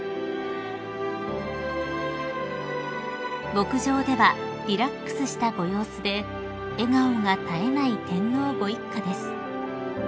［牧場ではリラックスしたご様子で笑顔が絶えない天皇ご一家です］